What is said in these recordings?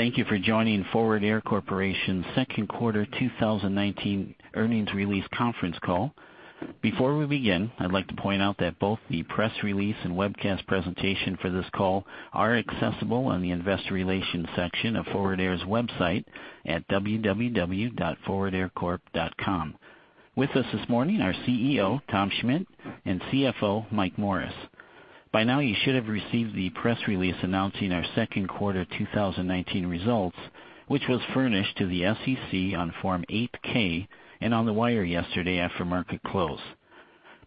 Thank you for joining Forward Air Corporation's second quarter 2019 earnings release conference call. Before we begin, I'd like to point out that both the press release and webcast presentation for this call are accessible on the investor relations section of Forward Air's website at www.forwardaircorp.com. With us this morning are CEO, Tom Schmitt, and CFO, Mike Morris. By now, you should have received the press release announcing our second quarter 2019 results, which was furnished to the SEC on Form 8-K and on the wire yesterday after market close.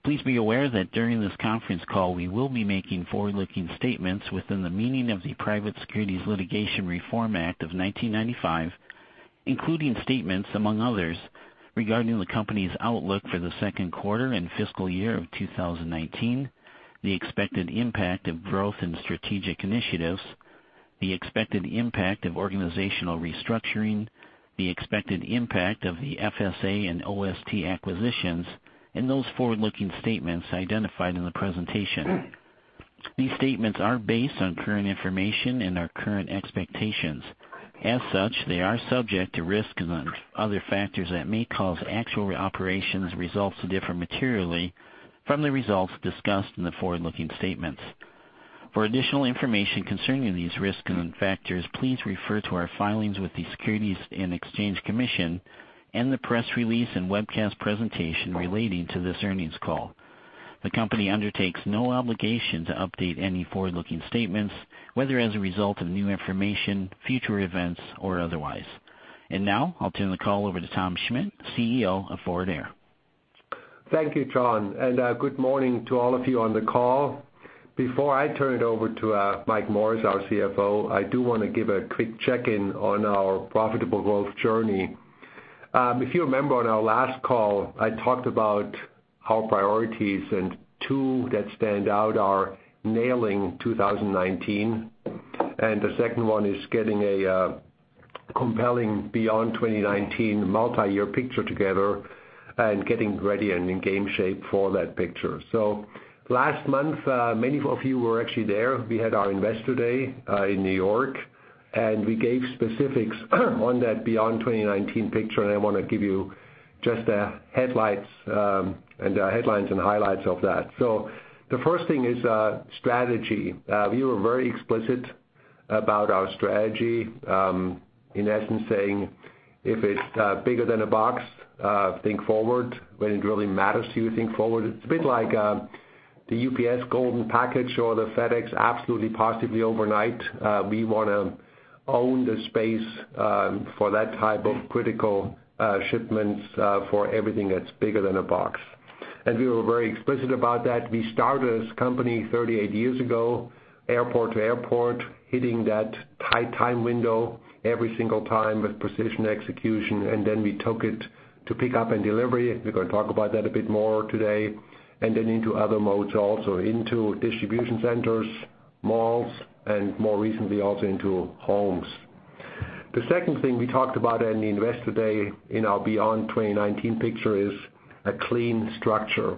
Please be aware that during this conference call, we will be making forward-looking statements within the meaning of the Private Securities Litigation Reform Act of 1995, including statements, among others, regarding the company's outlook for the second quarter and fiscal year of 2019, the expected impact of growth and strategic initiatives, the expected impact of organizational restructuring, the expected impact of the FSA and OST acquisitions, and those forward-looking statements identified in the presentation. These statements are based on current information and our current expectations. As such, they are subject to risks and other factors that may cause actual operations results to differ materially from the results discussed in the forward-looking statements. For additional information concerning these risks and factors, please refer to our filings with the Securities and Exchange Commission and the press release and webcast presentation relating to this earnings call. The company undertakes no obligation to update any forward-looking statements, whether as a result of new information, future events, or otherwise. Now I'll turn the call over to Tom Schmitt, CEO of Forward Air. Thank you, John. Good morning to all of you on the call. Before I turn it over to Mike Morris, our CFO, I do want to give a quick check-in on our profitable growth journey. If you remember on our last call, I talked about our priorities, and two that stand out are nailing 2019, and the second one is getting a compelling beyond 2019 multi-year picture together and getting ready and in game shape for that picture. Last month, many of you were actually there. We had our Investor Day in New York, and we gave specifics on that beyond 2019 picture, and I want to give you just the headlines and highlights of that. The first thing is strategy. We were very explicit about our strategy, in essence saying, if it's bigger than a box, think Forward. When it really matters to you, think Forward. It's a bit like the UPS golden package or the FedEx absolutely, positively overnight. We want to own the space for that type of critical shipments for everything that's bigger than a box. We were very explicit about that. We started this company 38 years ago, airport to airport, hitting that tight time window every single time with precision execution, and then we took it to pick up and delivery. We're going to talk about that a bit more today. Then into other modes also, into distribution centers, malls, and more recently, also into homes. The second thing we talked about in the investor day in our beyond 2019 picture is a clean structure.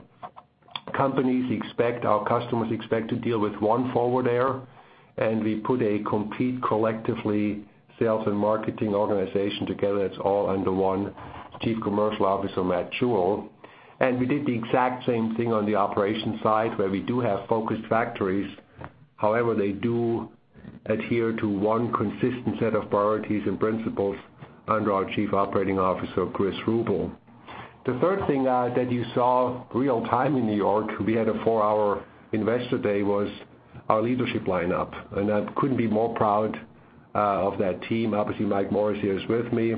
Companies expect, our customers expect to deal with one Forward Air, and we put a complete, collectively sales and marketing organization together that's all under one Chief Commercial Officer, Matt Jewell. We did the exact same thing on the operations side, where we do have focused factories. However, they do adhere to one consistent set of priorities and principles under our Chief Operating Officer, Chris Ruble. The third thing that you saw real-time in New York, we had a four-hour investor day, was our leadership lineup. I couldn't be more proud of that team. Obviously, Mike Morris here is with me.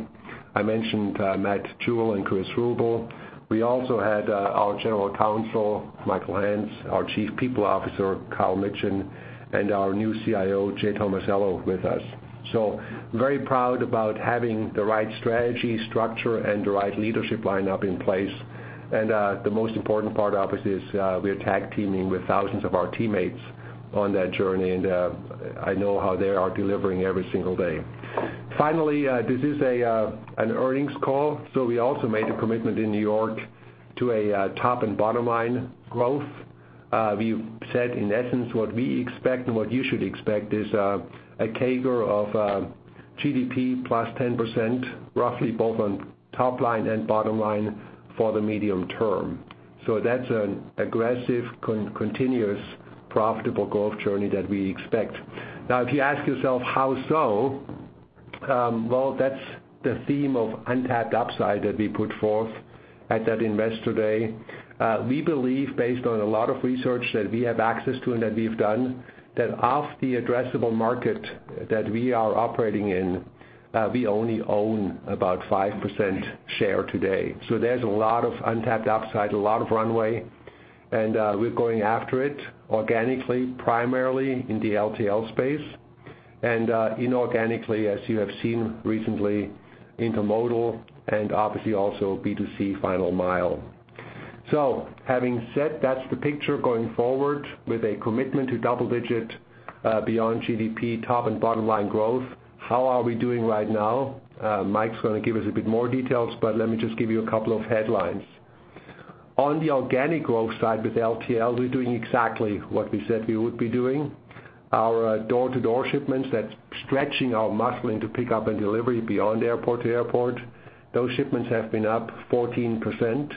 I mentioned Matt Jewell and Chris Ruble. We also had our General Counsel, Michael Hance, our Chief People Officer, Kyle Mitchin, and our new CIO, Jay Tomasello, with us. Very proud about having the right strategy, structure, and the right leadership lineup in place. The most important part, obviously, is we are tag-teaming with thousands of our teammates on that journey, and I know how they are delivering every single day. Finally, this is an earnings call. We also made a commitment in New York to a top and bottom line growth. We've said, in essence, what we expect and what you should expect is a CAGR of GDP plus 10%, roughly both on top line and bottom line for the medium term. That's an aggressive, continuous, profitable growth journey that we expect. If you ask yourself, how so? That's the theme of untapped upside that we put forth at that investor day. We believe, based on a lot of research that we have access to and that we've done, that of the addressable market that we are operating in, we only own about 5% share today. There's a lot of untapped upside, a lot of runway, and we're going after it organically, primarily in the LTL space, and inorganically, as you have seen recently, intermodal and obviously also B2C final mile. Having said that's the picture going forward with a commitment to double-digit beyond GDP top and bottom line growth, how are we doing right now? Mike's going to give us a bit more details, but let me just give you a couple of headlines. On the organic growth side with LTL, we're doing exactly what we said we would be doing. Our door-to-door shipments, that's stretching our muscle into pickup and delivery beyond airport to airport. Those shipments have been up 14%.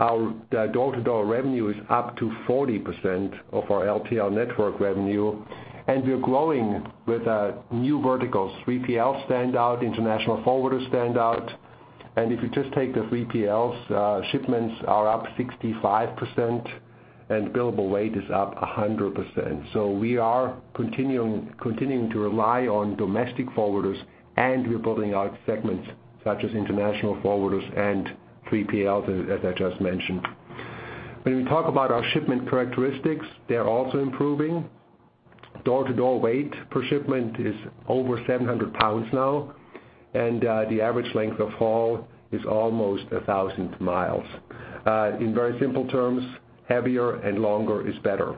Our door-to-door revenue is up to 40% of our LTL network revenue, and we're growing with our new verticals. 3PL standout, international forwarder standout. If you just take the 3PLs, shipments are up 65%, and billable weight is up 100%. We are continuing to rely on domestic forwarders, and we're building out segments such as international forwarders and 3PLs, as I just mentioned. When we talk about our shipment characteristics, they're also improving. Door-to-door weight per shipment is over 700 pounds now, and the average length of haul is almost 1,000 miles. In very simple terms, heavier and longer is better.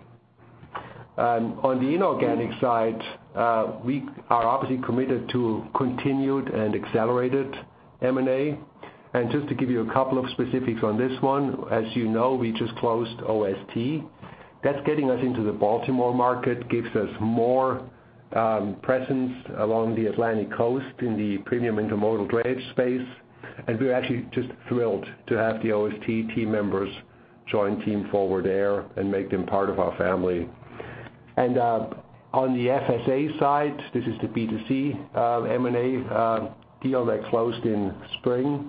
The inorganic side, we are obviously committed to continued and accelerated M&A. Just to give you a couple of specifics on this one, as you know, we just closed OST. That's getting us into the Baltimore market, gives us more presence along the Atlantic Coast in the premium intermodal drayage space. We're actually just thrilled to have the OST team members join Team Forward Air and make them part of our family. On the FSA side, this is the B2C M&A deal that closed in spring.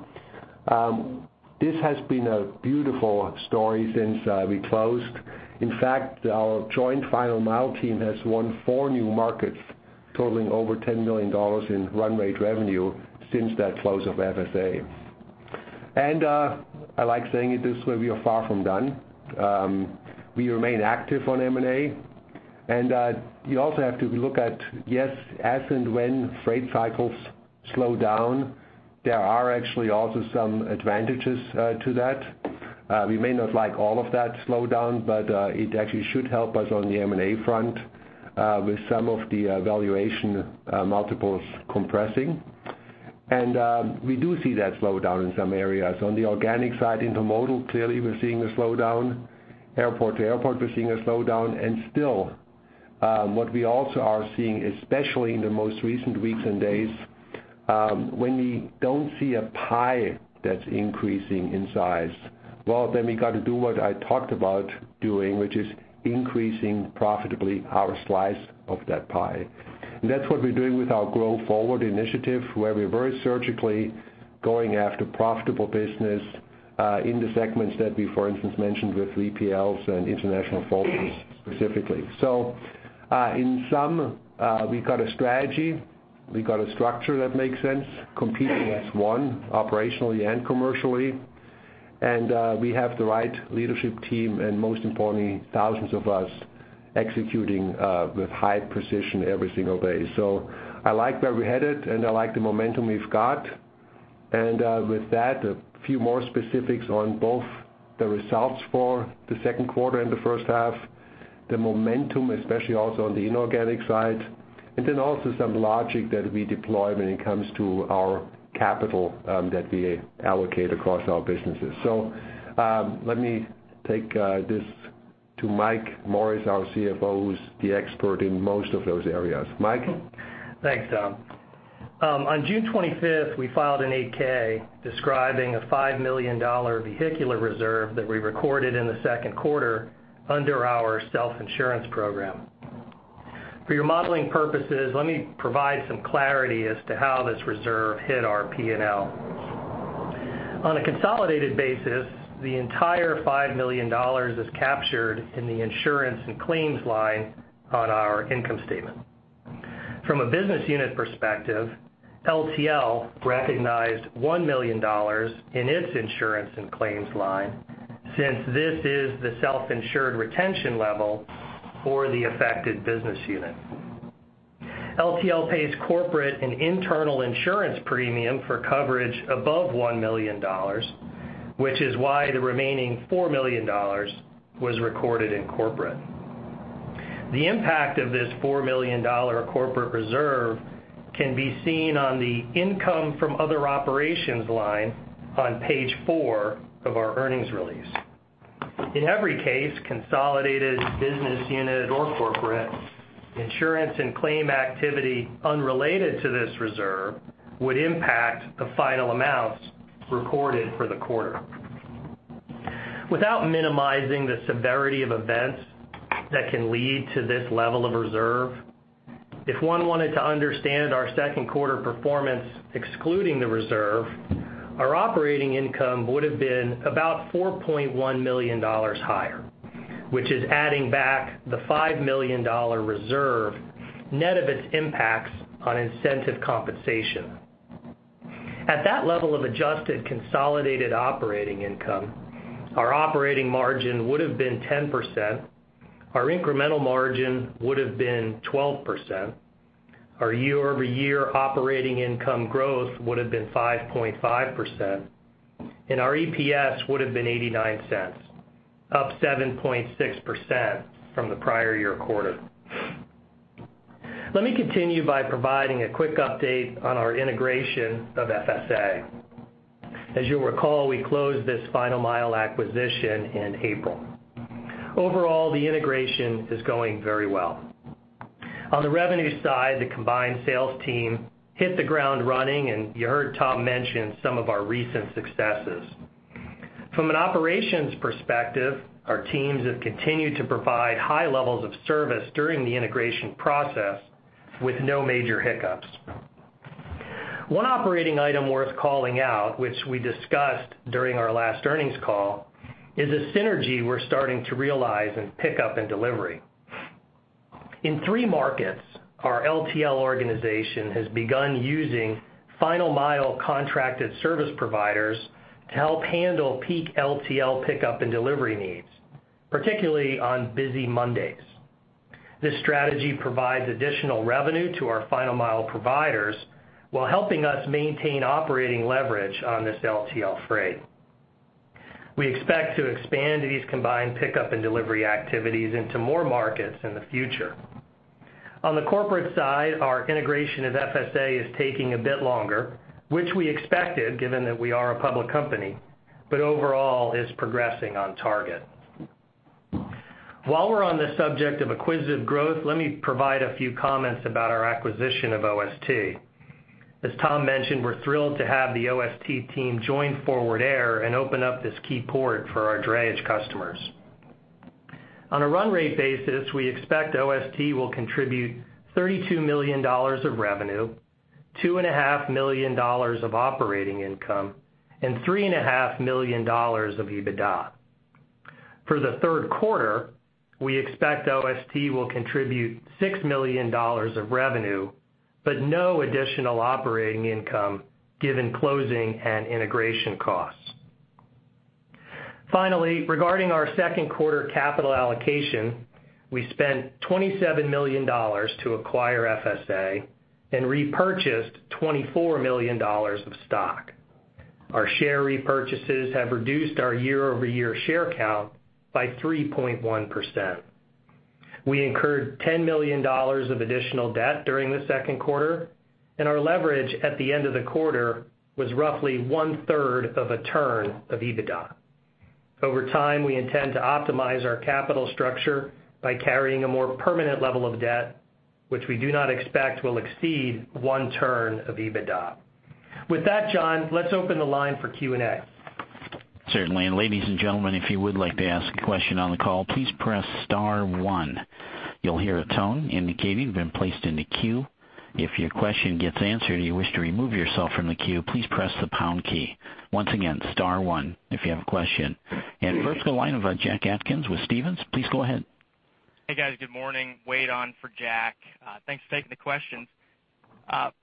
This has been a beautiful story since we closed. In fact, our joint final mile team has won four new markets totaling over $10 million in run rate revenue since that close of FSA. I like saying it this way, we are far from done. We remain active on M&A. You also have to look at, yes, as and when freight cycles slow down, there are actually also some advantages to that. We may not like all of that slowdown, but it actually should help us on the M&A front with some of the valuation multiples compressing. We do see that slowdown in some areas. On the organic side, intermodal, clearly we're seeing a slowdown. Airport to airport, we're seeing a slowdown. Still, what we also are seeing, especially in the most recent weeks and days, when we don't see a pie that's increasing in size. Well, then we got to do what I talked about doing, which is increasing profitably our slice of that pie. That's what we're doing with our Grow Forward initiative, where we're very surgically going after profitable business in the segments that we, for instance, mentioned with 3PLs and international forwarders specifically. In sum, we got a strategy, we got a structure that makes sense, competing as one operationally and commercially. We have the right leadership team, and most importantly, thousands of us executing with high precision every single day. I like where we're headed, and I like the momentum we've got. With that, a few more specifics on both the results for the second quarter and the first half, the momentum, especially also on the inorganic side, and then also some logic that we deploy when it comes to our capital that we allocate across our businesses. Let me take this to Mike Morris, our CFO, who's the expert in most of those areas. Mike? Thanks, Tom. On June 25th, we filed an 8-K describing a $5 million vehicular reserve that we recorded in the second quarter under our self-insurance program. For your modeling purposes, let me provide some clarity as to how this reserve hit our P&L. On a consolidated basis, the entire $5 million is captured in the insurance and claims line on our income statement. From a business unit perspective, LTL recognized $1 million in its insurance and claims line, since this is the self-insured retention level for the affected business unit. LTL pays corporate and internal insurance premium for coverage above $1 million, which is why the remaining $4 million was recorded in corporate. The impact of this $4 million corporate reserve can be seen on the income from other operations line on page four of our earnings release. In every case, consolidated business unit or corporate, insurance and claim activity unrelated to this reserve would impact the final amounts recorded for the quarter. Without minimizing the severity of events that can lead to this level of reserve, if one wanted to understand our second quarter performance excluding the reserve, our operating income would have been about $4.1 million higher, which is adding back the $5 million reserve, net of its impacts on incentive compensation. At that level of adjusted consolidated operating income, our operating margin would have been 10%, our incremental margin would have been 12%, our year-over-year operating income growth would have been 5.5%, and our EPS would have been $0.89, up 7.6% from the prior year quarter. Let me continue by providing a quick update on our integration of FSA. As you'll recall, we closed this final mile acquisition in April. Overall, the integration is going very well. On the revenue side, the combined sales team hit the ground running, and you heard Tom mention some of our recent successes. From an operations perspective, our teams have continued to provide high levels of service during the integration process with no major hiccups. One operating item worth calling out, which we discussed during our last earnings call, is a synergy we're starting to realize in pickup and delivery. In three markets, our LTL organization has begun using final mile contracted service providers to help handle peak LTL pickup and delivery needs, particularly on busy Mondays. This strategy provides additional revenue to our final mile providers while helping us maintain operating leverage on this LTL freight. We expect to expand these combined pickup and delivery activities into more markets in the future. On the corporate side, our integration of FSA is taking a bit longer, which we expected, given that we are a public company. Overall is progressing on target. While we're on the subject of acquisitive growth, let me provide a few comments about our acquisition of OST. As Tom mentioned, we're thrilled to have the OST team join Forward Air and open up this key port for our drayage customers. On a run rate basis, we expect OST will contribute $32 million of revenue, $2.5 million of operating income, and $3.5 million of EBITDA. For the third quarter, we expect OST will contribute $6 million of revenue, no additional operating income, given closing and integration costs. Finally, regarding our second quarter capital allocation, we spent $27 million to acquire FSA and repurchased $24 million of stock. Our share repurchases have reduced our year-over-year share count by 3.1%. We incurred $10 million of additional debt during the second quarter, and our leverage at the end of the quarter was roughly one-third of a turn of EBITDA. Over time, we intend to optimize our capital structure by carrying a more permanent level of debt, which we do not expect will exceed one turn of EBITDA. With that, John, let's open the line for Q&A. Certainly, ladies and gentlemen, if you would like to ask a question on the call, please press star 1. You'll hear a tone indicating you've been placed in the queue. If your question gets answered or you wish to remove yourself from the queue, please press the pound key. Once again, star 1 if you have a question. First the line of our Jack Atkins with Stephens. Please go ahead. Hey, guys. Good morning. Wade on for Jack. Thanks for taking the questions.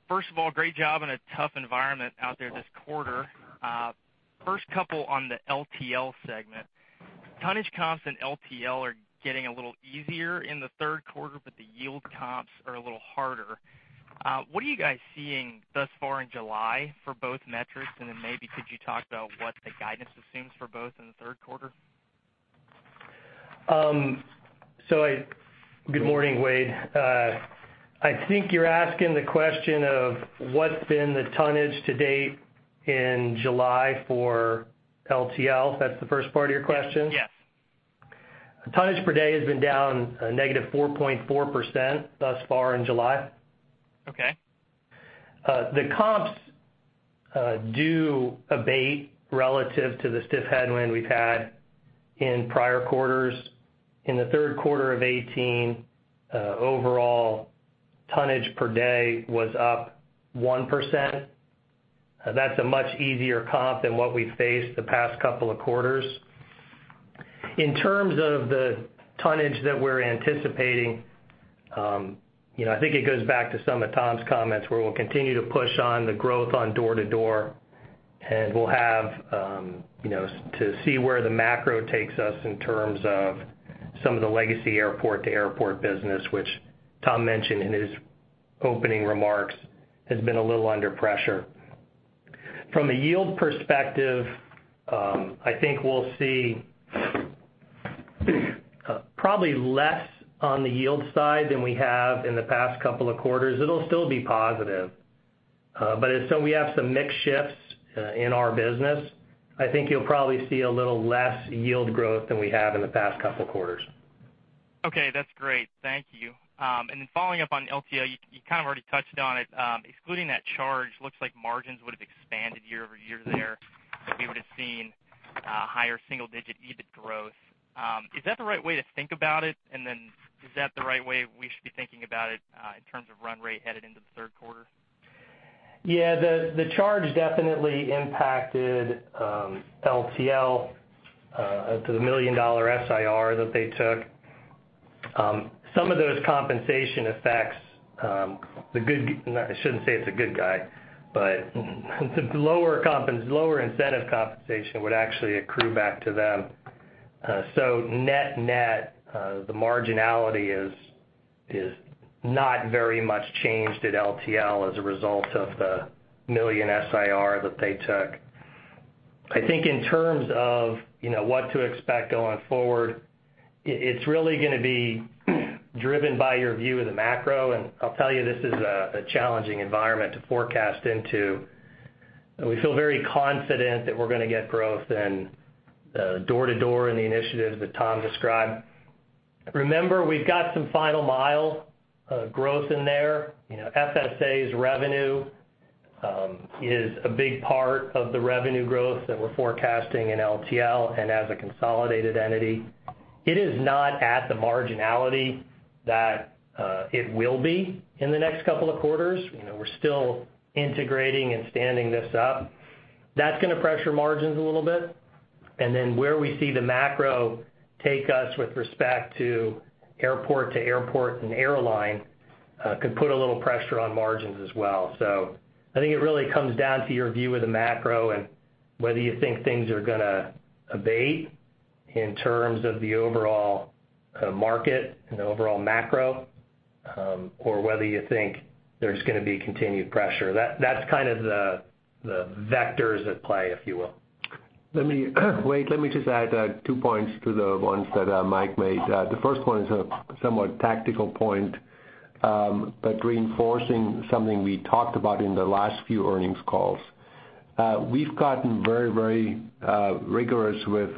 First of all, great job on a tough environment out there this quarter. First couple on the LTL segment. Tonnage comps in LTL are getting a little easier in the third quarter, but the yield comps are a little harder. What are you guys seeing thus far in July for both metrics? Maybe could you talk about what the guidance assumes for both in the third quarter? Good morning, Wade. I think you're asking the question of what's been the tonnage to date in July for LTL. If that's the first part of your question? Yes. Tonnage per day has been down a negative 4.4% thus far in July. Okay. The comps do abate relative to the stiff headwind we've had in prior quarters. In the third quarter of 2018, overall tonnage per day was up 1%. That's a much easier comp than what we faced the past couple of quarters. In terms of the tonnage that we're anticipating, I think it goes back to some of Tom's comments where we'll continue to push on the growth on door-to-door, and we'll have to see where the macro takes us in terms of some of the legacy airport-to-airport business, which Tom mentioned in his opening remarks, has been a little under pressure. From a yield perspective, I think we'll see probably less on the yield side than we have in the past couple of quarters. It'll still be positive. As some we have some mix shifts in our business, I think you'll probably see a little less yield growth than we have in the past couple of quarters. Okay, that's great. Thank you. Following up on LTL, you kind of already touched on it. Excluding that charge, looks like margins would have expanded year over year there. We would have seen higher single-digit EBIT growth. Is that the right way to think about it? Is that the right way we should be thinking about it in terms of run rate headed into the third quarter? The charge definitely impacted LTL to the $1 million SIR that they took. Some of those compensation effects, I shouldn't say it's a good guy, but the lower incentive compensation would actually accrue back to them. Net-net, the marginality is not very much changed at LTL as a result of the $1 million SIR that they took. I think in terms of what to expect going forward, it's really going to be driven by your view of the macro, and I'll tell you, this is a challenging environment to forecast into. We feel very confident that we're going to get growth in door-to-door and the initiatives that Tom described. Remember, we've got some final mile of growth in there. FSA's revenue is a big part of the revenue growth that we're forecasting in LTL and as a consolidated entity. It is not at the marginality that it will be in the next couple of quarters. We're still integrating and standing this up. That's going to pressure margins a little bit. Where we see the macro take us with respect to airport-to-airport and airline could put a little pressure on margins as well. I think it really comes down to your view of the macro and whether you think things are going to abate in terms of the overall market and the overall macro, or whether you think there's going to be continued pressure. That's the vectors at play, if you will. Wade, let me just add two points to the ones that Mike made. The first point is a somewhat tactical point, but reinforcing something we talked about in the last few earnings calls. We've gotten very rigorous with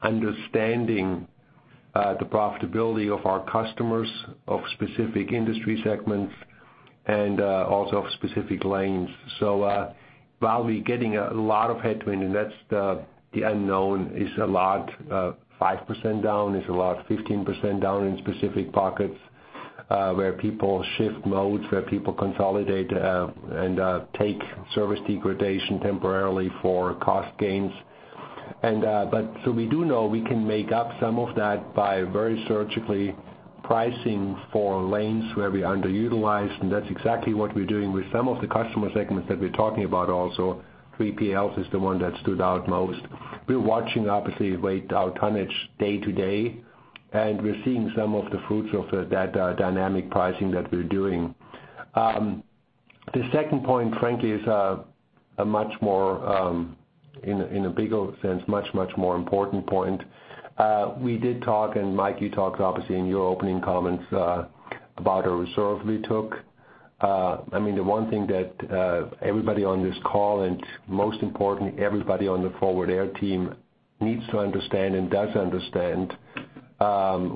understanding the profitability of our customers, of specific industry segments, and also of specific lanes. While we're getting a lot of headwind, and that's the unknown, is a lot 5% down, is a lot 15% down in specific pockets where people shift modes, where people consolidate and take service degradation temporarily for cost gains. We do know we can make up some of that by very surgically pricing for lanes where we underutilized, and that's exactly what we're doing with some of the customer segments that we're talking about also. 3PL is the one that stood out most. We're watching, obviously, Wade, our tonnage day to day, and we're seeing some of the fruits of that dynamic pricing that we're doing. The second point, frankly, is a much more, in a bigger sense, much more important point. We did talk, and Mike, you talked obviously in your opening comments about a reserve we took. The one thing that everybody on this call, and most important, everybody on the Forward Air team needs to understand and does understand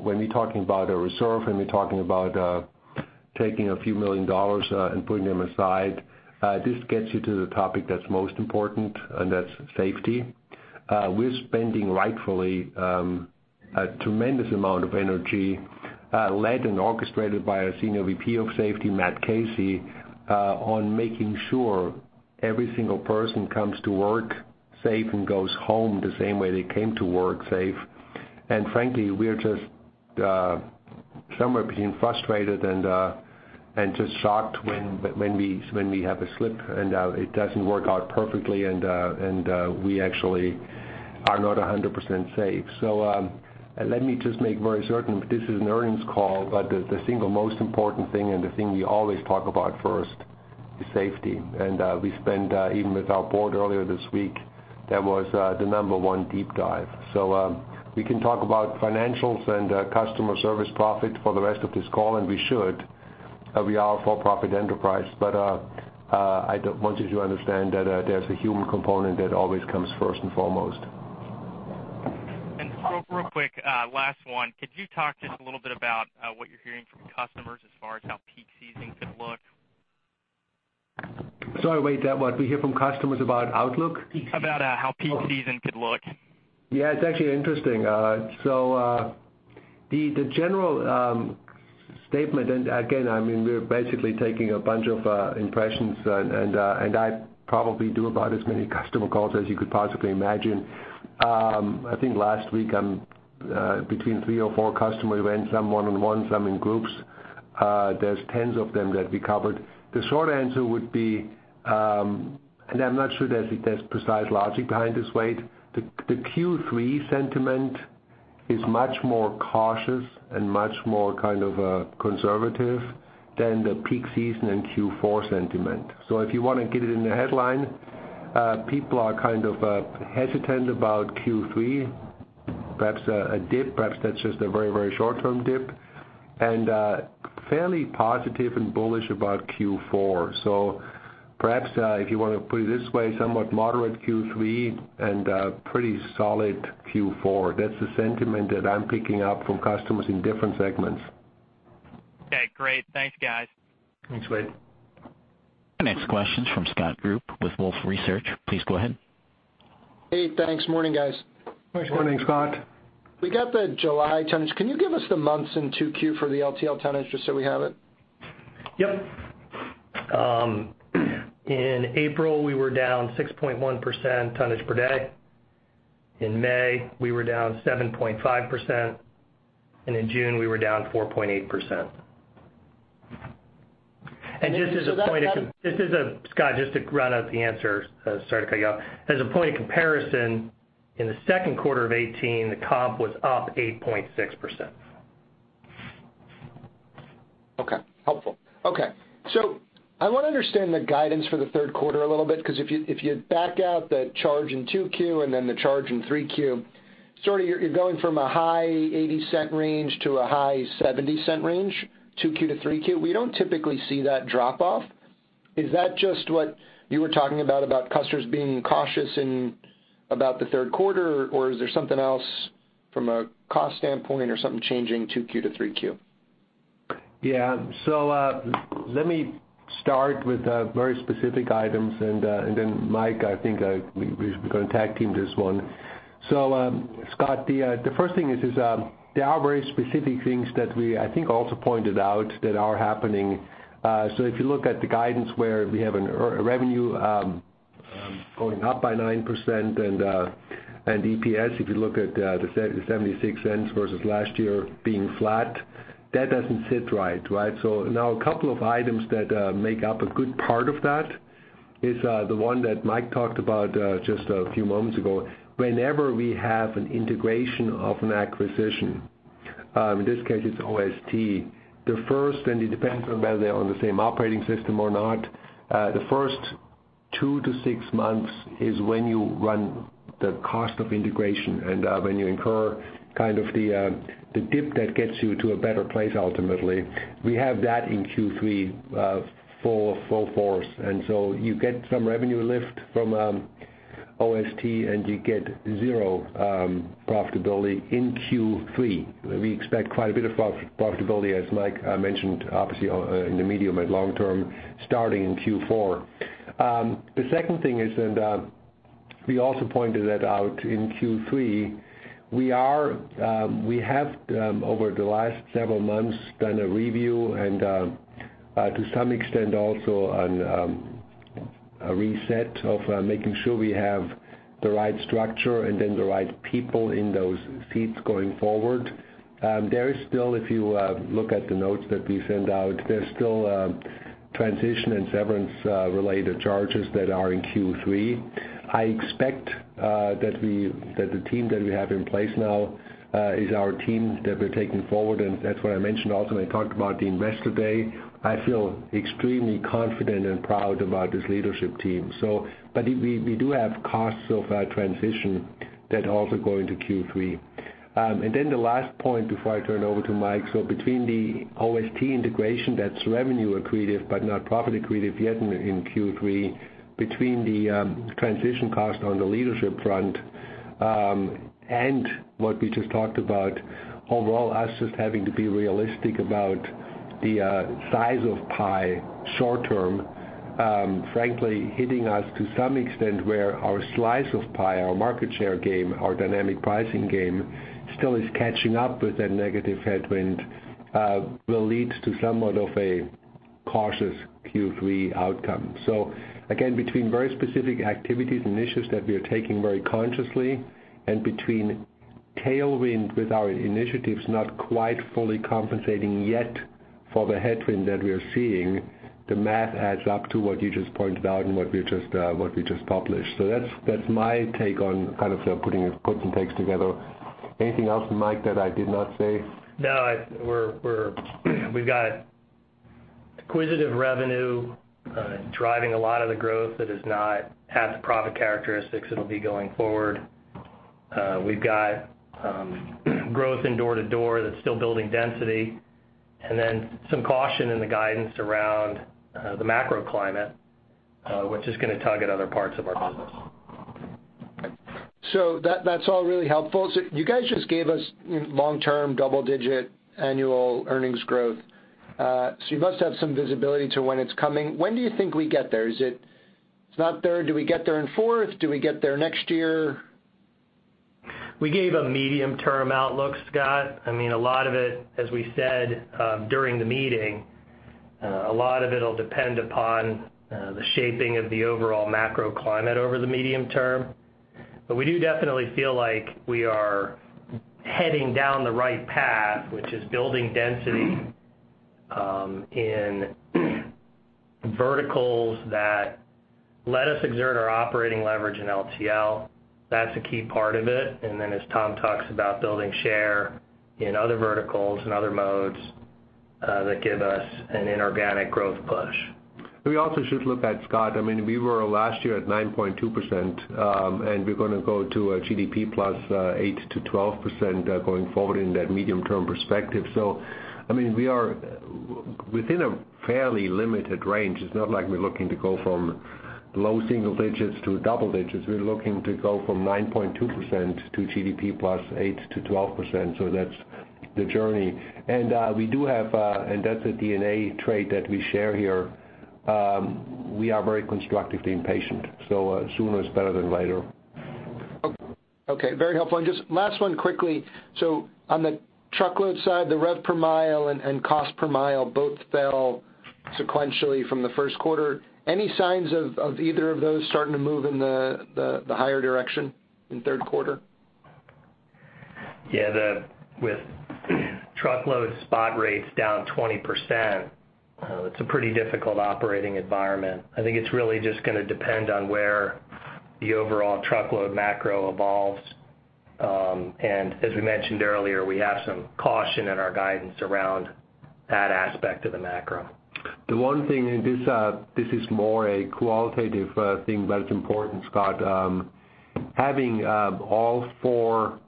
when we're talking about a reserve, when we're talking about taking a few million dollars and putting them aside, this gets you to the topic that's most important, and that's safety. We're spending, rightfully, a tremendous amount of energy led and orchestrated by our Senior VP of Safety, Matt Casey, on making sure every single person comes to work safe and goes home the same way they came to work safe. Frankly, we are just somewhere between frustrated and just shocked when we have a slip, and it doesn't work out perfectly, and we actually are not 100% safe. Let me just make very certain, this is an earnings call, but the single most important thing and the thing we always talk about first is safety. We spent, even with our board earlier this week, that was the number 1 deep dive. We can talk about financials and customer service profit for the rest of this call, and we should. We are a for-profit enterprise. I want you to understand that there's a human component that always comes first and foremost. Just real quick, last one. Could you talk just a little bit about what you're hearing from customers as far as how peak season could look? Sorry, Wade, what we hear from customers about outlook? About how peak season could look. Yeah, it's actually interesting. The general statement, and again, we're basically taking a bunch of impressions, and I probably do about as many customer calls as you could possibly imagine. I think last week, between three or four customers we went, some one on one, some in groups. There's tens of them that we covered. The short answer would be, and I'm not sure there's precise logic behind this, Wade. The Q3 sentiment is much more cautious and much more conservative than the peak season and Q4 sentiment. If you want to get it in the headline, people are hesitant about Q3, perhaps a dip, perhaps that's just a very short-term dip, and fairly positive and bullish about Q4. Perhaps, if you want to put it this way, somewhat moderate Q3 and a pretty solid Q4. That's the sentiment that I'm picking up from customers in different segments. Okay, great. Thanks, guys. Thanks, Wade. Our next question is from Scott Group with Wolfe Research. Please go ahead. Hey, thanks. Morning, guys. Morning, Scott. We got the July tonnage. Can you give us the months in 2Q for the LTL tonnage, just so we have it? Yep. In April, we were down 6.1% tonnage per day. In May, we were down 7.5%, and in June, we were down 4.8%. Scott, just to round out the answer, sorry to cut you off. As a point of comparison, in the second quarter of 2018, the comp was up 8.6%. Okay, helpful. Okay. I want to understand the guidance for the third quarter a little bit, because if you back out the charge in two Q and then the charge in three Q, sort of you're going from a high $0.80 range to a high $0.70 range, two Q to three Q. We don't typically see that drop off. Is that just what you were talking about customers being cautious about the third quarter, or is there something else from a cost standpoint or something changing two Q to three Q? Let me start with very specific items, and then Mike, I think we are going to tag team this one. Scott, the first thing is there are very specific things that we, I think, also pointed out that are happening. If you look at the guidance where we have a revenue going up by 9% and EPS, if you look at the $0.76 versus last year being flat, that doesn't sit right. Now a couple of items that make up a good part of that is the one that Mike talked about just a few moments ago. Whenever we have an integration of an acquisition, in this case it's OST. The first, and it depends on whether they're on the same operating system or not, the first two to six months is when you run the cost of integration and when you incur kind of the dip that gets you to a better place ultimately. We have that in Q3 full force. So you get some revenue lift from OST, and you get zero profitability in Q3. We expect quite a bit of profitability, as Mike mentioned, obviously, in the medium and long term, starting in Q4. The second thing is, and we also pointed that out in Q3, we have, over the last several months, done a review and, to some extent also a reset of making sure we have the right structure and then the right people in those seats going forward. There is still, if you look at the notes that we send out, there's still transition and severance related charges that are in Q3. I expect that the team that we have in place now is our team that we're taking forward, and that's what I mentioned also when I talked about the Investor Day. I feel extremely confident and proud about this leadership team. We do have costs of transition that also go into Q3. The last point before I turn it over to Mike. Between the OST integration, that's revenue accretive but not profit accretive yet in Q3, between the transition cost on the leadership front, and what we just talked about, overall us just having to be realistic about the size of pie short term, frankly, hitting us to some extent where our slice of pie, our market share game, our dynamic pricing game still is catching up with that negative headwind, will lead to somewhat of a cautious Q3 outcome. Again, between very specific activities and initiatives that we are taking very consciously, and between tailwind with our initiatives, not quite fully compensating yet for the headwind that we are seeing, the math adds up to what you just pointed out and what we just published. That's my take on kind of putting gives and takes together. Anything else, Mike, that I did not say? No. We've got acquisitive revenue driving a lot of the growth that does not have the profit characteristics it'll be going forward. We've got growth in door to door that's still building density. Some caution in the guidance around the macro climate, which is going to tug at other parts of our business. That's all really helpful. You guys just gave us long-term, double-digit annual earnings growth. You must have some visibility to when it's coming. When do you think we get there? Is it not third? Do we get there in fourth? Do we get there next year? We gave a medium-term outlook, Scott. A lot of it, as we said during the meeting, a lot of it'll depend upon the shaping of the overall macro climate over the medium term. We do definitely feel like we are heading down the right path, which is building density in verticals that let us exert our operating leverage in LTL. That's a key part of it. As Tom talks about building share in other verticals and other modes that give us an inorganic growth push. We also should look at, Scott, we were last year at 9.2%. We're going to go to a GDP plus 8%-12% going forward in that medium-term perspective. We are within a fairly limited range. It's not like we're looking to go from low single digits to double digits. We're looking to go from 9.2% to GDP plus 8%-12%, so that's the journey. That's a DNA trait that we share here. We are very constructively impatient, so sooner is better than later. Okay. Very helpful. Just last one quickly. On the truckload side, the rev per mile and cost per mile both fell sequentially from the first quarter. Any signs of either of those starting to move in the higher direction in the third quarter? Yeah. With truckload spot rates down 20%, it's a pretty difficult operating environment. I think it's really just going to depend on where the overall truckload macro evolves. As we mentioned earlier, we have some caution in our guidance around that aspect of the macro. The one thing, this is more a qualitative thing, but it's important, Scott. Having all four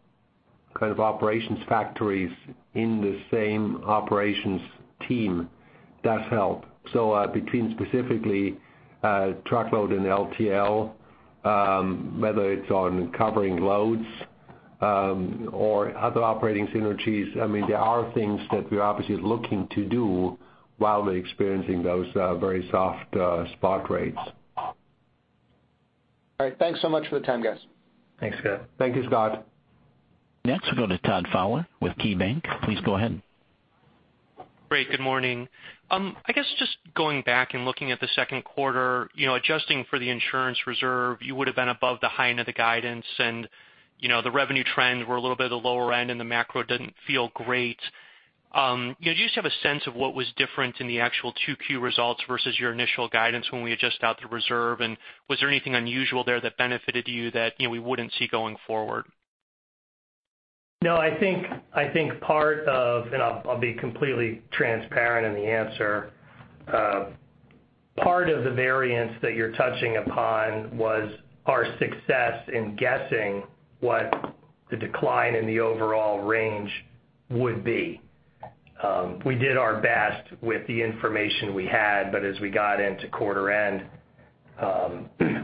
kind of operations factories in the same operations team does help. Between specifically truckload and LTL, whether it's on covering loads or other operating synergies, there are things that we're obviously looking to do while we're experiencing those very soft spot rates. All right. Thanks so much for the time, guys. Thanks, Scott. Thank you, Scott. Next, we'll go to Todd Fowler with KeyBanc. Please go ahead. Great. Good morning. I guess just going back and looking at the second quarter, adjusting for the insurance reserve, you would have been above the high end of the guidance and the revenue trend were a little bit at the lower end and the macro didn't feel great. Do you just have a sense of what was different in the actual 2Q results versus your initial guidance when we adjust out the reserve? Was there anything unusual there that benefited you that we wouldn't see going forward? No, I think part of, and I'll be completely transparent in the answer. Part of the variance that you're touching upon was our success in guessing what the decline in the overall range would be. We did our best with the information we had, but as we got into quarter end,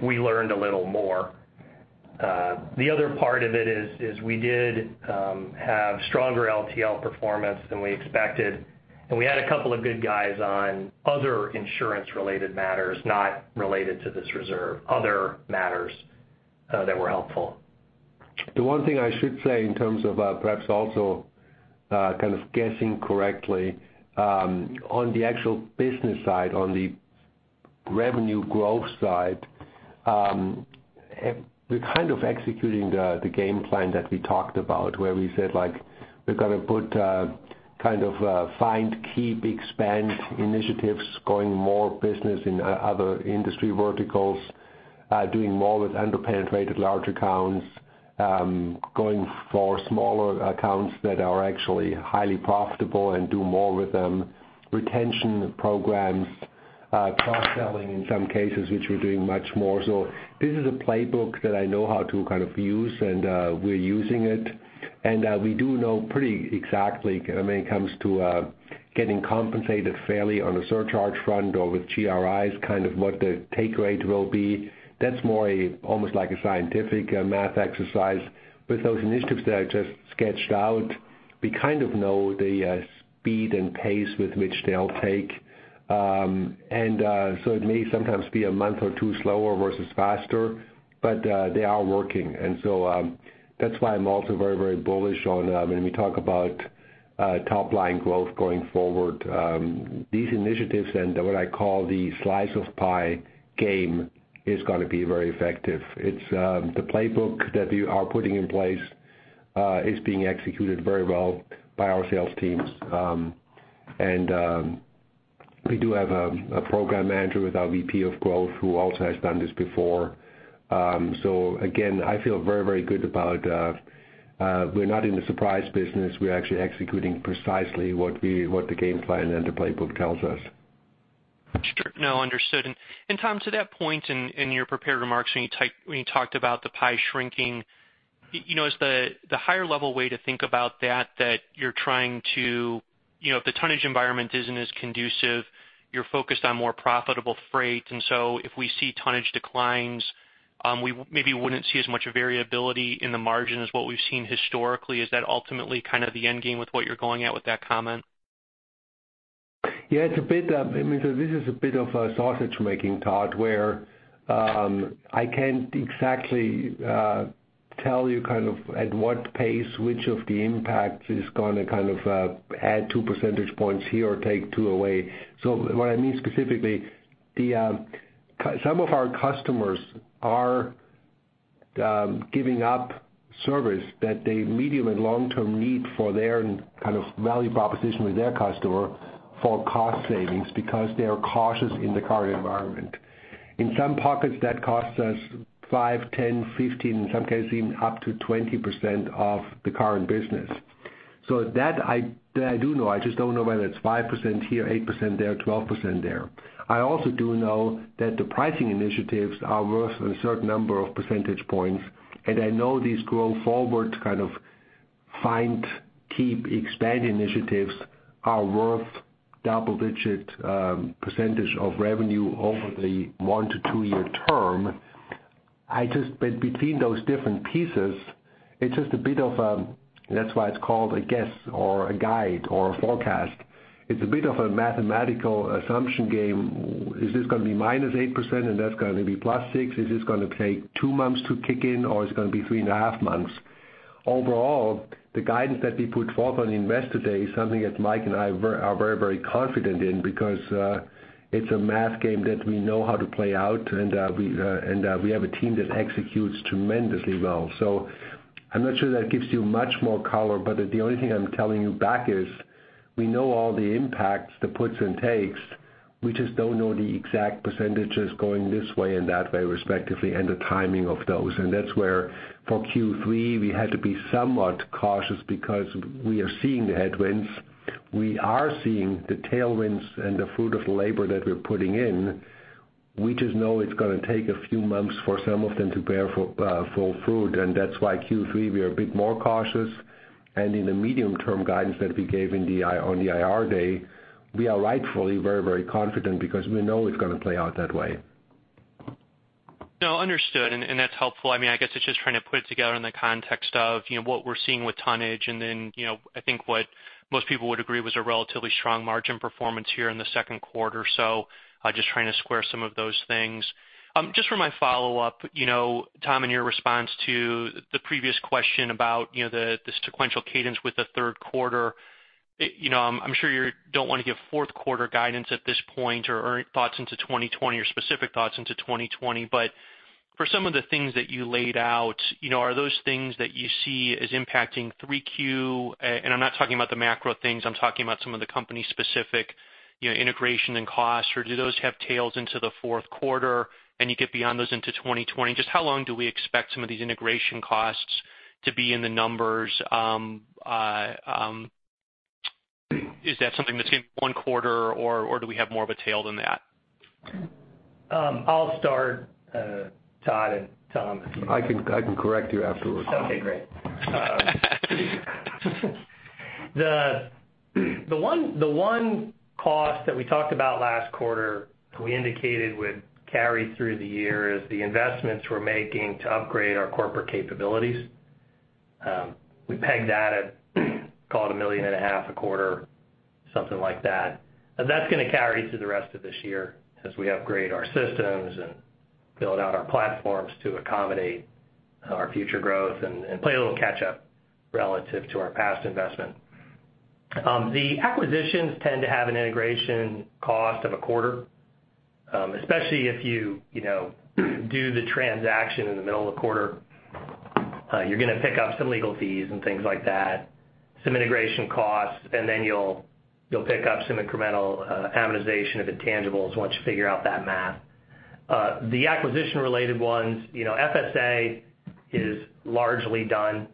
we learned a little more. The other part of it is we did have stronger LTL performance than we expected, and we had a couple of good guys on other insurance-related matters, not related to this reserve, other matters that were helpful. The one thing I should say in terms of perhaps also kind of guessing correctly, on the actual business side, on the revenue growth side, we're kind of executing the game plan that we talked about where we said, like, we're going to put kind of a Find, Keep, Expand initiatives, going more business in other industry verticals, doing more with under-penetrated large accounts, going for smaller accounts that are actually highly profitable and do more with them, retention programs, cross-selling in some cases, which we're doing much more. This is a playbook that I know how to kind of use and we're using it. We do know pretty exactly when it comes to getting compensated fairly on the surcharge front or with GRIs, kind of what the take rate will be. That's more almost like a scientific math exercise. With those initiatives that I just sketched out, we kind of know the speed and pace with which they'll take. It may sometimes be a month or two slower versus faster, but they are working. That's why I'm also very, very bullish on when we talk about top-line growth going forward. These initiatives and what I call the slice of pie game is going to be very effective. The playbook that we are putting in place is being executed very well by our sales teams. We do have a program manager with our VP of growth who also has done this before. Again, I feel very, very good about, we're not in the surprise business. We're actually executing precisely what the game plan and the playbook tells us. Sure. No, understood. Tom, to that point in your prepared remarks when you talked about the pie shrinking, is the higher level way to think about that if the tonnage environment isn't as conducive, you're focused on more profitable freight, and so if we see tonnage declines, we maybe wouldn't see as much variability in the margin as what we've seen historically. Is that ultimately kind of the end game with what you're going at with that comment? Yeah, this is a bit of a sausage making Todd, where I can't exactly tell you kind of at what pace, which of the impact is going to kind of add two percentage points here or take two away. What I mean specifically, some of our customers are giving up service that they medium- and long-term need for their kind of value proposition with their customer for cost savings because they are cautious in the current environment. In some pockets, that costs us five, 10, 15, in some cases, even up to 20% of the current business. That I do know. I just don't know whether it's 5% here, 8% there, 12% there. I also do know that the pricing initiatives are worth a certain number of percentage points, and I know these Grow Forward kind of find, keep, expand initiatives are worth double-digit % of revenue over the one to two-year term. Between those different pieces, that's why it's called a guess or a guide or a forecast. It's a bit of a mathematical assumption game. Is this going to be -8% and that's going to be +6? Is this going to take two months to kick in or is it going to be three and a half months? Overall, the guidance that we put forth on Investor Day is something that Mike and I are very, very confident in because it's a math game that we know how to play out, and we have a team that executes tremendously well. I'm not sure that gives you much more color, but the only thing I'm telling you back is we know all the impacts, the puts and takes. We just don't know the exact % going this way and that way, respectively, and the timing of those. That's where for Q3 we had to be somewhat cautious because we are seeing the headwinds. We are seeing the tailwinds and the fruit of labor that we're putting in. We just know it's going to take a few months for some of them to bear full fruit, and that's why Q3, we are a bit more cautious. In the medium term guidance that we gave on the IR day, we are rightfully very confident because we know it's going to play out that way. No, understood. That's helpful. I guess it's just trying to put it together in the context of what we're seeing with tonnage and then, I think what most people would agree was a relatively strong margin performance here in the second quarter. Just trying to square some of those things. Just for my follow-up, Tom, in your response to the previous question about the sequential cadence with the third quarter. I'm sure you don't want to give fourth quarter guidance at this point or thoughts into 2020 or specific thoughts into 2020, but for some of the things that you laid out, are those things that you see as impacting 3Q? I'm not talking about the macro things, I'm talking about some of the company specific integration and costs, or do those have tails into the fourth quarter and you get beyond those into 2020? Just how long do we expect some of these integration costs to be in the numbers? Is that something that's in one quarter or do we have more of a tail than that? I'll start, Todd and Tom. I can correct you afterwards. Okay, great. The one cost that we talked about last quarter, we indicated would carry through the year is the investments we're making to upgrade our corporate capabilities. We pegged that at, call it a million and a half a quarter, something like that. That's going to carry through the rest of this year as we upgrade our systems and build out our platforms to accommodate our future growth and play a little catch up relative to our past investment. The acquisitions tend to have an integration cost of a quarter. Especially if you do the transaction in the middle of the quarter, you're going to pick up some legal fees and things like that, some integration costs, and then you'll pick up some incremental amortization of intangibles once you figure out that math. The acquisition related ones, FSA is largely done.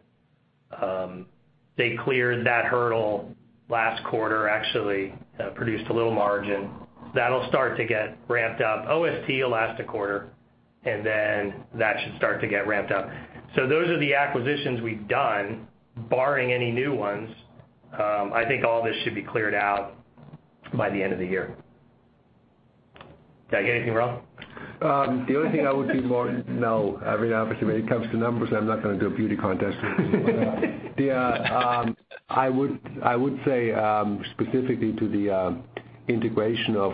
They cleared that hurdle last quarter, actually produced a little margin. That'll start to get ramped up. OST last quarter, and then that should start to get ramped up. Those are the acquisitions we've done, barring any new ones. I think all this should be cleared out by the end of the year. Did I get anything wrong? The only thing I would do more now, obviously when it comes to numbers, I'm not going to do a beauty contest. I would say, specifically to the integration of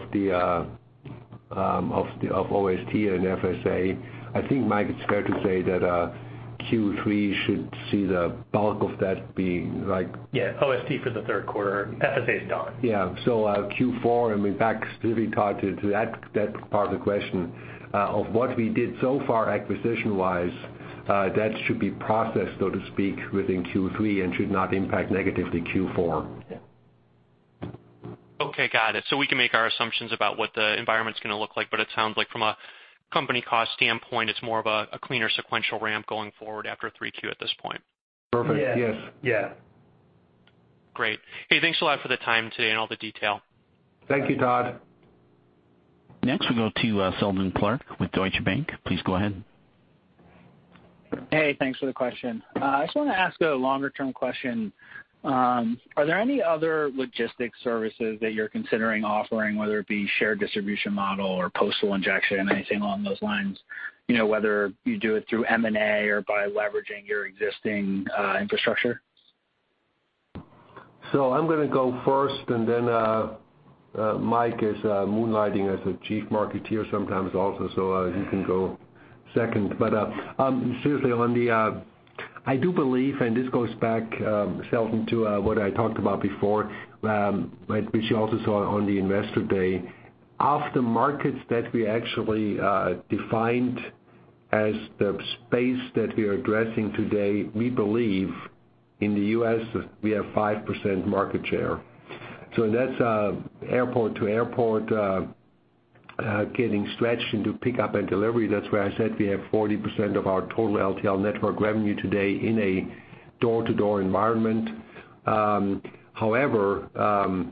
OST and FSA, I think, Mike, it's fair to say that Q3 should see the bulk of that being. Yeah. OST for the third quarter. FSA is done. Yeah. Q4, and in fact, to retalk to that part of the question, of what we did so far acquisition-wise, that should be processed, so to speak, within Q3 and should not impact negatively Q4. Yeah. Okay, got it. We can make our assumptions about what the environment's going to look like, but it sounds like from a company cost standpoint, it's more of a cleaner sequential ramp going forward after 3Q at this point. Perfect. Yes. Yeah. Great. Hey, thanks a lot for the time today and all the detail. Thank you, Todd. Next we'll go to, Seldon Clarke with Deutsche Bank. Please go ahead. Hey, thanks for the question. I just want to ask a longer term question. Are there any other logistics services that you're considering offering, whether it be shared distribution model or postal injection, anything along those lines? Whether you do it through M&A or by leveraging your existing infrastructure? I'm going to go first and then Mike is moonlighting as a chief marketeer sometimes also. He can go second. I do believe, and this goes back, Seldon, to what I talked about before, which you also saw on the Investor Day. Of the markets that we actually defined as the space that we are addressing today, we believe in the U.S. we have 5% market share. That's airport to airport, getting stretched into pickup and delivery. That's where I said we have 40% of our total LTL network revenue today in a door-to-door environment. However,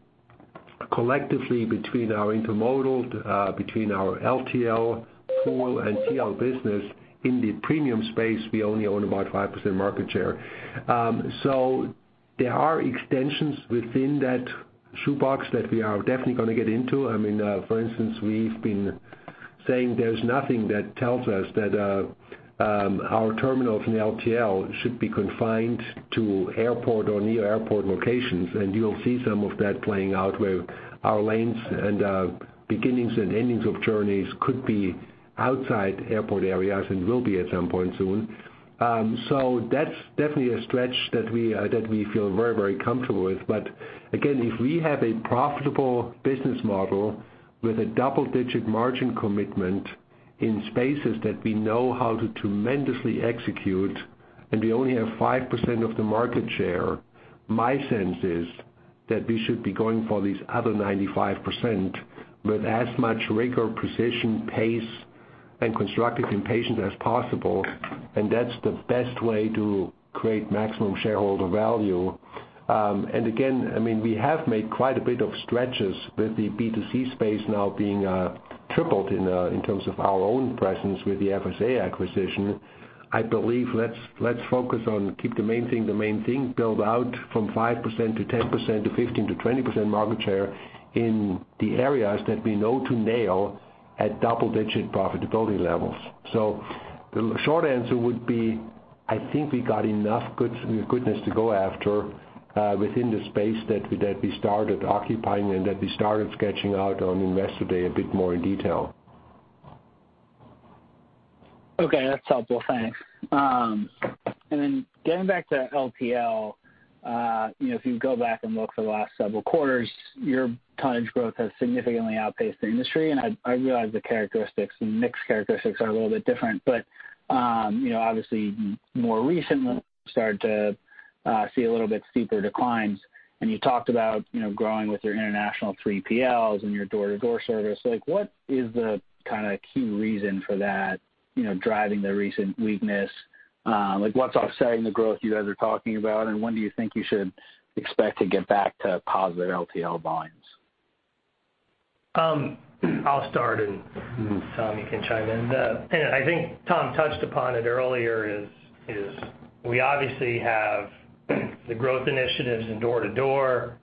collectively between our intermodal, between our LTL pool and TL business in the premium space, we only own about 5% market share. There are extensions within that shoebox that we are definitely going to get into. For instance, we've been saying there's nothing that tells us that our terminal from LTL should be confined to airport or near airport locations. You'll see some of that playing out where our lanes and beginnings and endings of journeys could be outside airport areas and will be at some point soon. That's definitely a stretch that we feel very comfortable with. Again, if we have a profitable business model with a double-digit margin commitment in spaces that we know how to tremendously execute, and we only have 5% of the market share. My sense is that we should be going for these other 95% with as much rigor, precision, pace, and constructive impatience as possible, and that's the best way to create maximum shareholder value. Again, we have made quite a bit of stretches with the B2C space now being tripled in terms of our own presence with the FSA acquisition. I believe let's focus on keep the main thing, the main thing. Build out from 5% to 10% to 15% to 20% market share in the areas that we know to nail at double-digit profitability levels. The short answer would be, I think we got enough goodness to go after, within the space that we started occupying and that we started sketching out on Investor Day a bit more in detail. Okay, that's helpful. Thanks. Then getting back to LTL, if you go back and look for the last several quarters, your tonnage growth has significantly outpaced the industry. I realize the characteristics, the mix characteristics are a little bit different, but, obviously more recently you start to see a little bit steeper declines. You talked about growing with your international 3PLs and your door-to-door service. What is the key reason for that driving the recent weakness? Like what's offsetting the growth you guys are talking about, and when do you think you should expect to get back to positive LTL volumes? I'll start, and Tom, you can chime in. I think Tom touched upon it earlier, is we obviously have the growth initiatives in door-to-door.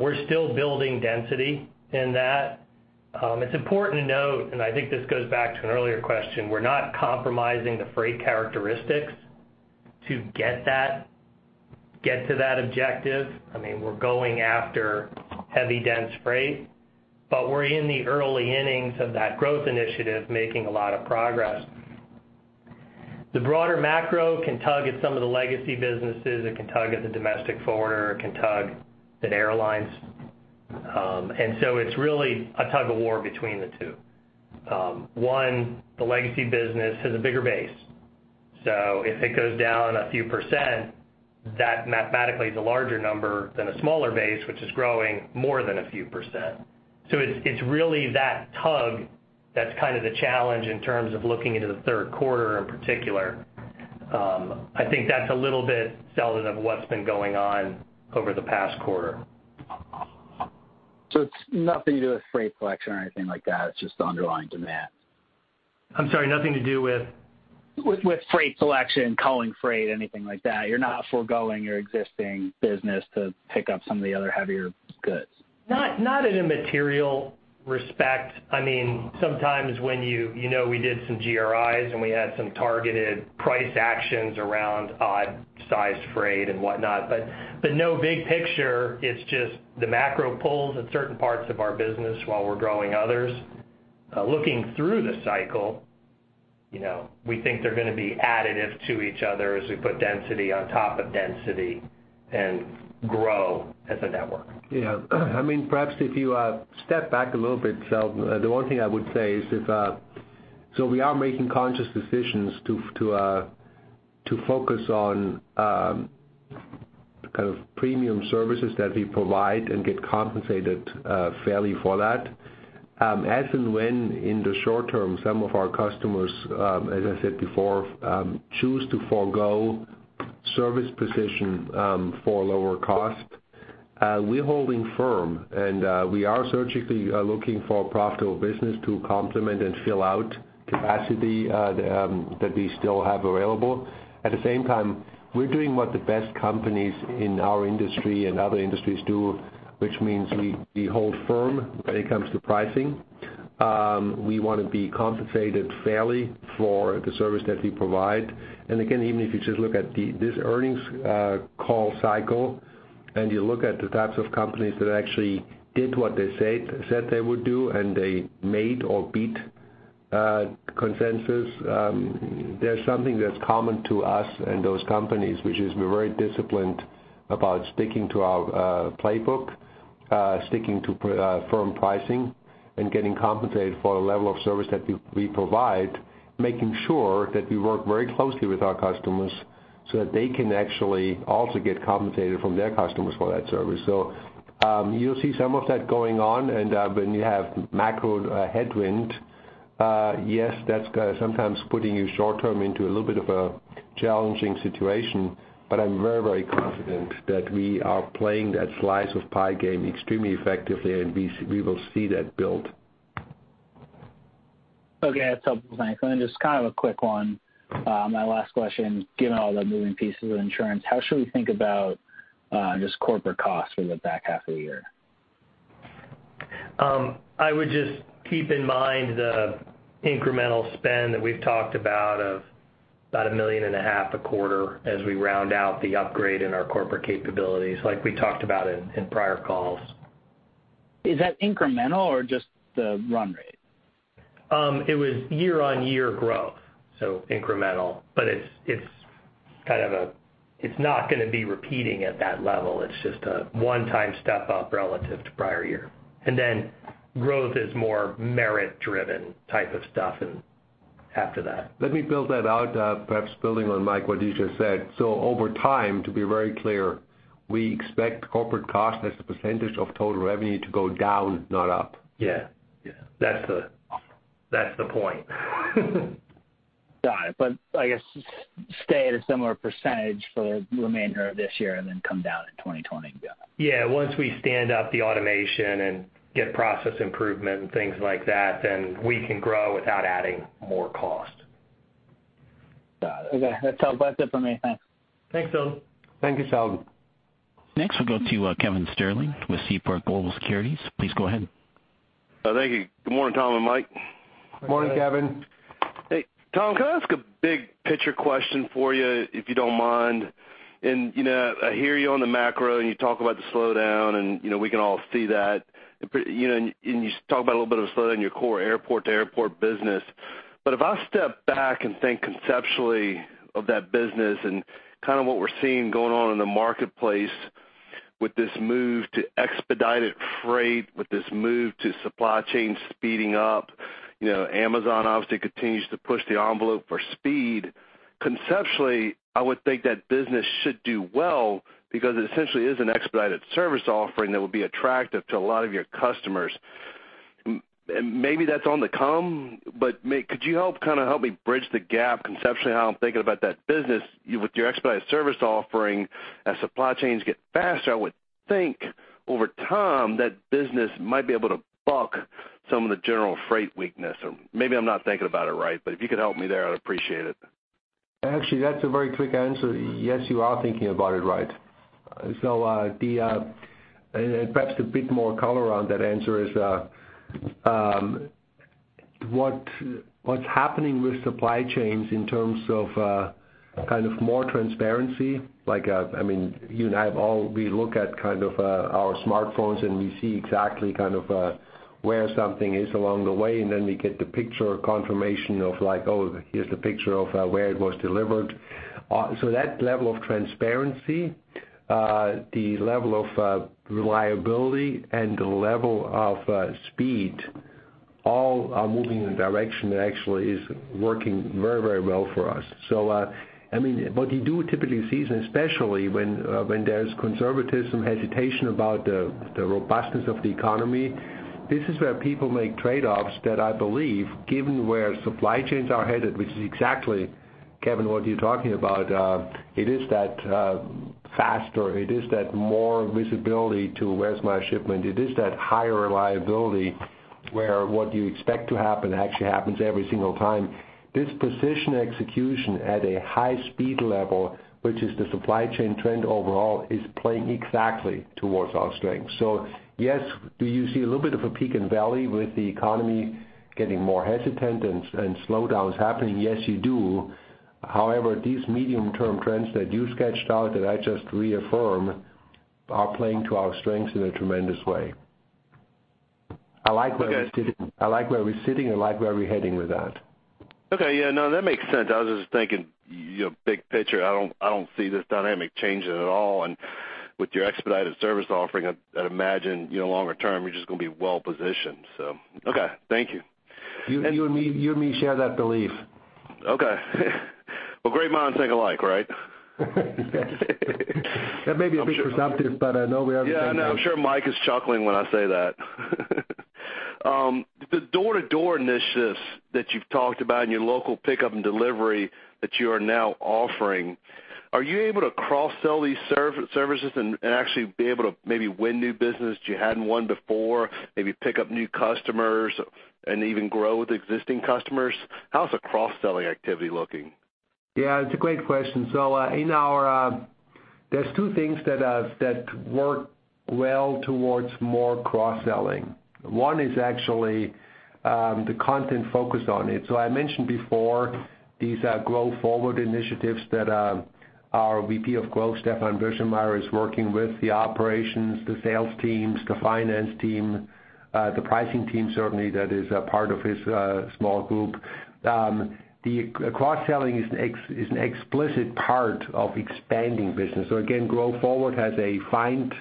We're still building density in that. It's important to note, and I think this goes back to an earlier question, we're not compromising the freight characteristics to get to that objective. We're going after heavy, dense freight. We're in the early innings of that growth initiative, making a lot of progress. The broader macro can tug at some of the legacy businesses. It can tug at the domestic forwarder. It can tug at airlines. It's really a tug of war between the two. One, the legacy business has a bigger base. If it goes down a few %, that mathematically is a larger number than a smaller base, which is growing more than a few %. It's really that tug that's the challenge in terms of looking into the third quarter in particular. I think that's a little bit, Seldon, of what's been going on over the past quarter. It's nothing to do with freight collection or anything like that. It's just the underlying demand. I'm sorry, nothing to do with? With freight collection, culling freight, anything like that. You're not foregoing your existing business to pick up some of the other heavier goods. Not in a material respect. Sometimes when you know we did some GRIs and we had some targeted price actions around odd-sized freight and whatnot. No, big picture, it's just the macro pulls at certain parts of our business while we're growing others. Looking through the cycle, we think they're going to be additive to each other as we put density on top of density and grow as a network. Yeah. Perhaps if you step back a little bit, Seldon, the one thing I would say is, we are making conscious decisions to focus on the kind of premium services that we provide and get compensated fairly for that. As and when in the short term, some of our customers, as I said before, choose to forgo service position for lower cost, we're holding firm, and we are surgically looking for profitable business to complement and fill out capacity that we still have available. At the same time, we're doing what the best companies in our industry and other industries do, which means we hold firm when it comes to pricing. We want to be compensated fairly for the service that we provide. Again, even if you just look at this earnings call cycle and you look at the types of companies that actually did what they said they would do, and they made or beat consensus, there's something that's common to us and those companies, which is we're very disciplined about sticking to our playbook, sticking to firm pricing, and getting compensated for the level of service that we provide. Making sure that we work very closely with our customers so that they can actually also get compensated from their customers for that service. You'll see some of that going on, and when you have macro headwind, yes, that's sometimes putting you short term into a little bit of a challenging situation, but I'm very, very confident that we are playing that slice of pie game extremely effectively, and we will see that build. Okay. That's helpful. Thanks. Then just a quick one. My last question. Given all the moving pieces of insurance, how should we think about just corporate costs for the back half of the year? I would just keep in mind the incremental spend that we've talked about of about a million and a half a quarter as we round out the upgrade in our corporate capabilities like we talked about in prior calls. Is that incremental or just the run rate? It was year-on-year growth. Incremental, but it's not going to be repeating at that level. It's just a one-time step up relative to prior year. Growth is more merit-driven type of stuff after that. Let me build that out, perhaps building on, Mike, what you just said. Over time, to be very clear, we expect corporate cost as a % of total revenue to go down, not up. Yeah. That's the point. Got it. I guess stay at a similar % for the remainder of this year and then come down in 2020. Yeah. Yeah. Once we stand up the automation and get process improvement and things like that, then we can grow without adding more cost. Got it. Okay. That's all. That's it for me. Thanks. Thanks, Seldon. Thank you, Seldon. Next, we'll go to Kevin Sterling with Seaport Global Securities. Please go ahead. Thank you. Good morning, Tom and Mike. Morning, Kevin. Hey, Tom, can I ask a big picture question for you, if you don't mind? I hear you on the macro, and you talk about the slowdown, and we can all see that. You talk about a little bit of a slowdown in your core airport-to-airport business. If I step back and think conceptually of that business and what we're seeing going on in the marketplace with this move to expedited freight, with this move to supply chain speeding up, Amazon obviously continues to push the envelope for speed. Conceptually, I would think that business should do well because it essentially is an expedited service offering that would be attractive to a lot of your customers. Maybe that's on the come, could you help me bridge the gap conceptually how I'm thinking about that business with your expedited service offering? As supply chains get faster, I would think over time that business might be able to buck some of the general freight weakness, or maybe I'm not thinking about it right. If you could help me there, I'd appreciate it. Actually, that's a very quick answer. Yes, you are thinking about it right. Perhaps a bit more color on that answer is, what's happening with supply chains in terms of more transparency, we look at our smartphones, and we see exactly where something is along the way, and then we get the picture confirmation of like, "Oh, here's the picture of where it was delivered." That level of transparency, the level of reliability and the level of speed all are moving in a direction that actually is working very well for us. What you do typically see, and especially when there's conservatism, hesitation about the robustness of the economy, this is where people make trade-offs that I believe, given where supply chains are headed, which is exactly, Kevin, what you're talking about, it is that faster, it is that more visibility to where's my shipment. It is that higher reliability where what you expect to happen actually happens every single time. This position execution at a high-speed level, which is the supply chain trend overall, is playing exactly towards our strength. Yes, do you see a little bit of a peak and valley with the economy getting more hesitant and slowdowns happening? Yes, you do. However, these medium-term trends that you sketched out that I just reaffirm are playing to our strengths in a tremendous way. I like where we're sitting, and I like where we're heading with that. Okay. Yeah, no, that makes sense. I was just thinking big picture, I don't see this dynamic changing at all. With your expedited service offering, I'd imagine longer term, you're just going to be well-positioned. Okay. Thank you. You and me share that belief. Okay. Well, great minds think alike, right? That may be a bit presumptive. No, I'm sure Mike is chuckling when I say that. The door-to-door initiatives that you've talked about and your local pickup and delivery that you are now offering, are you able to cross-sell these services and actually be able to maybe win new business that you hadn't won before? Maybe pick up new customers and even grow with existing customers? How's the cross-selling activity looking? Yeah, it's a great question. There's two things that work well towards more cross-selling. One is actually the content focus on it. I mentioned before these Grow Forward initiatives that our Vice President of Growth, Stefan Birschmeyer, is working with, the operations, the sales teams, the finance team, the pricing team certainly that is a part of his small group. The cross-selling is an explicit part of expanding business. Again, Grow Forward has a find,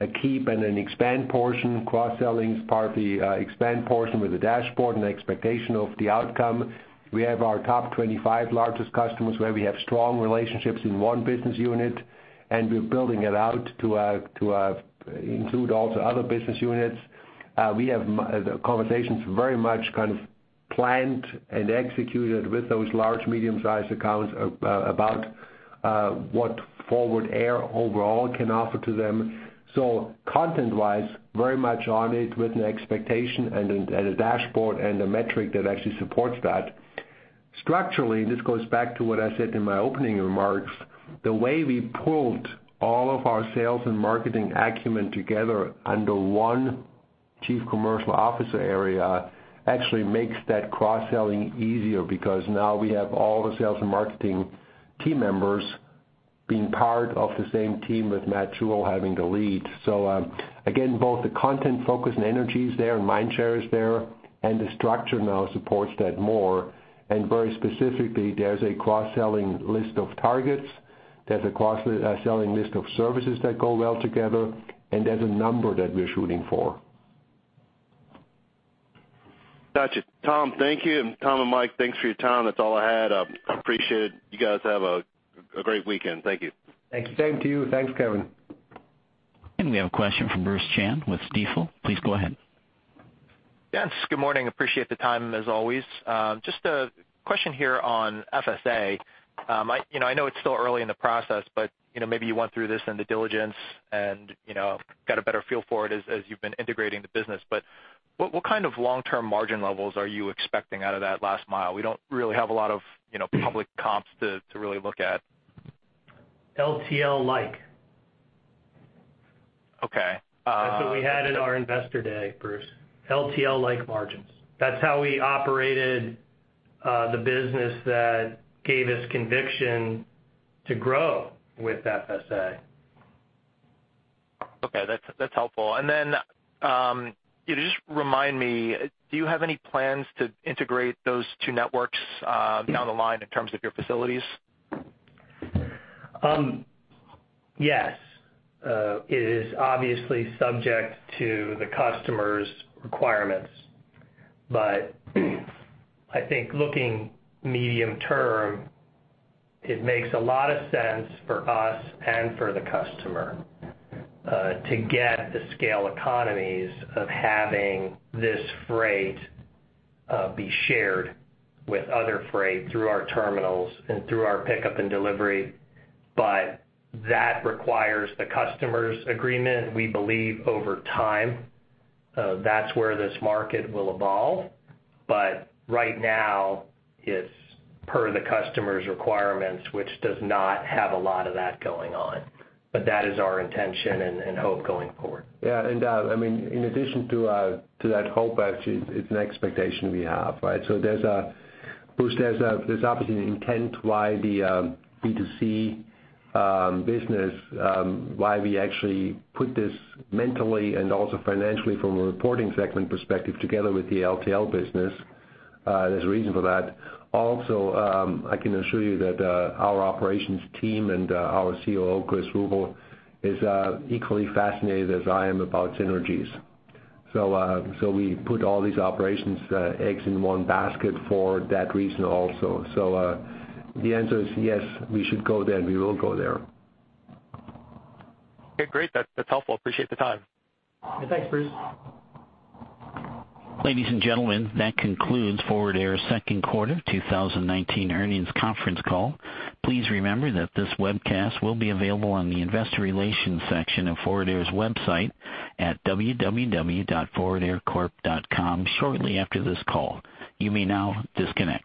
a keep, and an expand portion. Cross-selling is part of the expand portion with a dashboard and expectation of the outcome. We have our top 25 largest customers where we have strong relationships in one business unit, and we're building it out to include also other business units. We have conversations very much planned and executed with those large, medium-sized accounts about what Forward Air overall can offer to them. Content-wise, very much on it with an expectation and a dashboard and a metric that actually supports that. Structurally, this goes back to what I said in my opening remarks, the way we pulled all of our sales and marketing acumen together under one Chief Commercial Officer area actually makes that cross-selling easier because now we have all the sales and marketing team members being part of the same team with Matt Jewell having the lead. Again, both the content focus and energy is there and mind share is there, and the structure now supports that more. Very specifically, there's a cross-selling list of targets, there's a cross-selling list of services that go well together, and there's a number that we're shooting for. Got you. Tom, thank you. Tom and Mike, thanks for your time. That's all I had. I appreciate it. You guys have a great weekend. Thank you. Thank you. Same to you. Thanks, Kevin. We have a question from Bruce Chan with Stifel. Please go ahead. Yes, good morning. Appreciate the time, as always. Just a question here on FSA. I know it's still early in the process, maybe you went through this in the diligence and got a better feel for it as you've been integrating the business. What kind of long-term margin levels are you expecting out of that last mile? We don't really have a lot of public comps to really look at. LTL-like. Okay. That's what we had at our Investor Day, Bruce: LTL-like margins. That's how we operated the business that gave us conviction to grow with FSA. Okay, that's helpful. Just remind me, do you have any plans to integrate those two networks down the line in terms of your facilities? Yes. It is obviously subject to the customer's requirements. I think looking medium term, it makes a lot of sense for us and for the customer to get the scale economies of having this freight be shared with other freight through our terminals and through our pickup and delivery. That requires the customer's agreement. We believe over time, that's where this market will evolve. Right now, it's per the customer's requirements, which does not have a lot of that going on. That is our intention and hope going forward. Yeah, in addition to that hope, actually, it's an expectation we have, right? Bruce, there's obviously an intent why the B2C business, why we actually put this mentally and also financially from a reporting segment perspective, together with the LTL business. There's a reason for that. I can assure you that our operations team and our COO, Chris Ruble, is equally fascinated as I am about synergies. We put all these operations eggs in one basket for that reason also. The answer is yes, we should go there, and we will go there. Okay, great. That's helpful. Appreciate the time. Thanks, Bruce. Ladies and gentlemen, that concludes Forward Air's second quarter 2019 earnings conference call. Please remember that this webcast will be available on the investor relations section of Forward Air's website at www.forwardaircorp.com shortly after this call. You may now disconnect.